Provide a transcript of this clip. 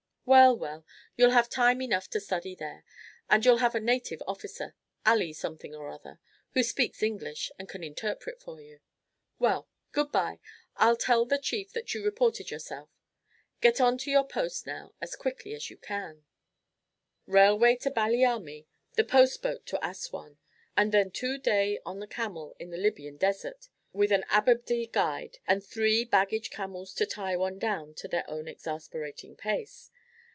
"Well, well, you'll have time enough to study there. And you'll have a native officer, Ali something or other, who speaks English, and can interpret for you. Well, good bye I'll tell the chief that you reported yourself. Get on to your post now as quickly as you can." Railway to Baliani, the post boat to Assouan, and then two day on a camel in the Libyan desert, with an Ababdeh guide, and three baggage camels to tie one down to their own exasperating pace.